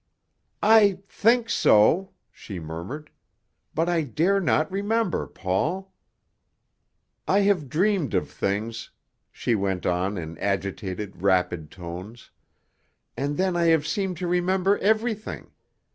"I think so," she murmured. "But I dare not remember, Paul. "I have dreamed of things," she went on in agitated, rapid tones, "and then I have seemed to remember everything.